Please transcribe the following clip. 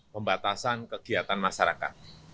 pembatasan kegiatan masyarakat